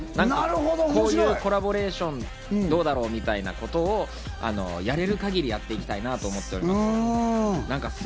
こんなコラボレーションどうだろう？ということを、やれる限りやっていきたいと思っております。